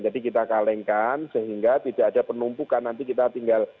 jadi kita kalengkan sehingga tidak ada penumpukan nanti kita tinggal